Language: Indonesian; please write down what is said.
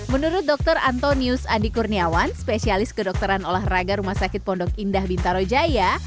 menurut dr antonius andi kurniawan spesialis kedokteran olahraga rumah sakit pondok indah bintaro jaya